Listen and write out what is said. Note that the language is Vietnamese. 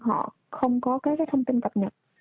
họ không có các thông tin cập nhật